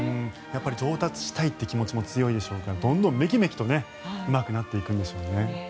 上達したいという気持ちも強いでしょうからどんどんめきめきとうまくなっていくんでしょうね。